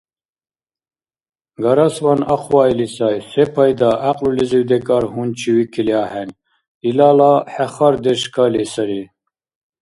Гарасван ахъваили сай, сепайда, гӀякьлулизив-декӀар гьунчивикили ахӀен. Илала хӀехарадеш кали сари.